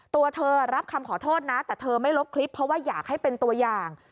ตัวเธอรับคำขอโทษนะแต่เธอไม่ลบคลิปเพราะว่าอยากให้เป็นตัวอย่าง